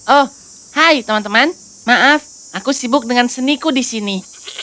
oh hai teman teman maaf aku sibuk dengan seniku di sini